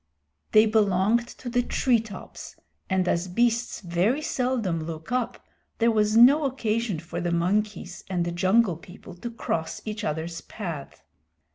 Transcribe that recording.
They belonged to the tree tops, and as beasts very seldom look up, there was no occasion for the monkeys and the Jungle People to cross each other's path.